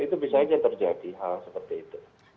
itu bisa saja terjadi hal seperti itu